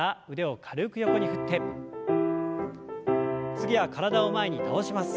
次は体を前に倒します。